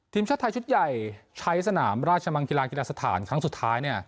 ทีมชาติไทยชุดใหญ่ใช้สนามราชมังคลากีฬาสถานครั้งสุดท้าย